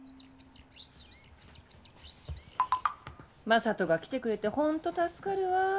正門が来てくれて本当助かるわ。